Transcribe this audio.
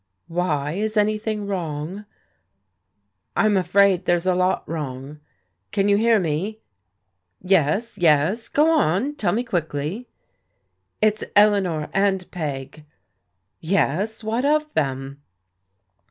" Why ? Is anything wrong ?"" I'm afraid there's a lot wrong. Can you hear me? "" Yes, yes. Go on, tell me quickly." " It's Eleanor and Peg." "Yes, what of them?"